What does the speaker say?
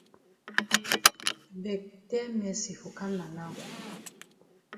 I beg tell Mercy for kam na now.